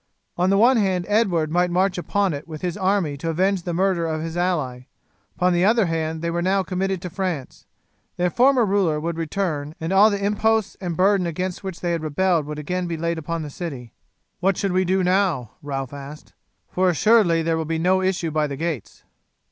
On the one hand Edward might march upon it with his army to avenge the murder of his ally. Upon the other hand they were now committed to France. Their former ruler would return, and all the imposts and burdens against which they had rebelled would again be laid upon the city. "What shall we do now?" Ralph asked, "for assuredly there will be no issue by the gates."